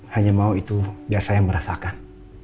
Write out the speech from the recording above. hanya mau itu ya saya merasakan